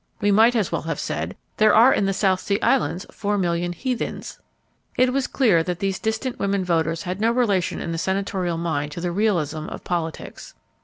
We might as well have said, "There are in the South Sea Islands four million heathens." It was clear that these distant women voters had no relation in the senatorial mind to the realism of politics.